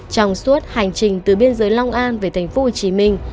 trong suốt hành trình từ biên giới long an về thành phố hồ chí minh